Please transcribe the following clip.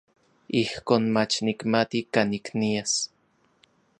Ijkon mach nikmati kanik nias.